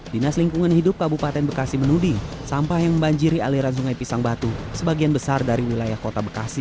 dinas lingkungan hidup kabupaten bekasi menuding sampah yang membanjiri aliran sungai pisang batu sebagian besar dari wilayah kota bekasi